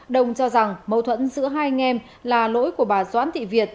đồng cho rằng mâu thuẫn giữa hai anh em là lỗi của bà doãn thị việt